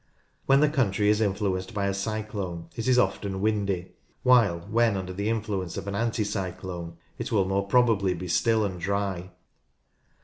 When the country is influenced by a cyclone it is often windy, while when under the influence of an anti cyclone it will more probably be still and dry.